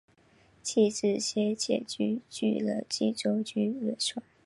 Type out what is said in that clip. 其子先且居继任晋中军元帅。